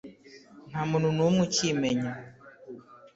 nta muntu n'umwe ukimenya